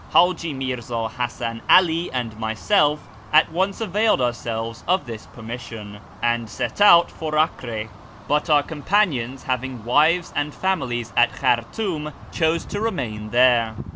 Haji Mirza Hasan 'Ali and myself at once availed ourselves of this permission, and set out for Acre, but our companions, having wives and families at Khartoum, chose to remain there.